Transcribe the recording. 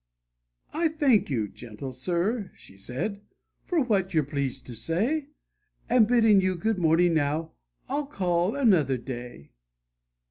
"I thank you, gentle sir," she said, "for what you're pleased to say, And bidding you good morning now, I'll call another day."